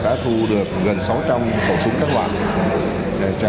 đã thu được gần sáu trăm linh khẩu súng các loại